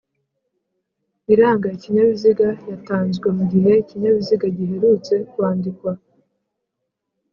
Iranga ikinyabiziga yatanzwe mu gihe ikinyabiziga giherutse kwandikwa